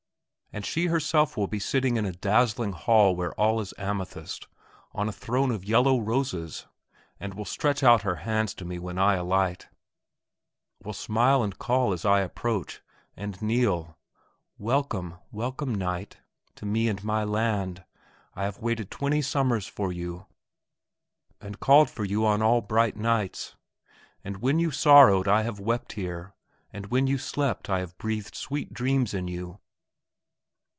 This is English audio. And she herself will be sitting in a dazzling hall where all is amethyst, on a throne of yellow roses, and will stretch out her hands to me when I alight; will smile and call as I approach and kneel: "Welcome, welcome, knight, to me and my land! I have waited twenty summers for you, and called for you on all bright nights. And when you sorrowed I have wept here, and when you slept I have breathed sweet dreams in you!"...